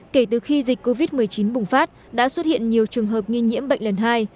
kể từ khi dịch covid một mươi chín bùng phát đã xuất hiện nhiều trường hợp nghi nhiễm bệnh lần hai